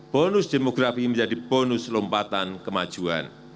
bonus demografi menjadi bonus lompatan kemajuan